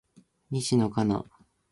西野カナ